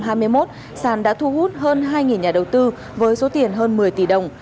hắn đã thu hút hơn hai nhà đầu tư với số tiền hơn một mươi tỷ đồng